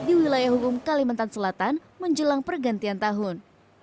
di wilayah hukum kalimantan selatan menjelang pergantian tahun